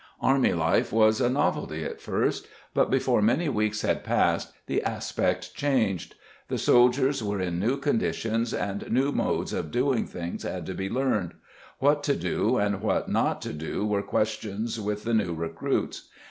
Army life was a novelty at first, but before many weeks had passed the aspect changed. The soldiers were in new conditions and new modes of doing things had to be learned. What to do and what not to do were questions with the new recruits.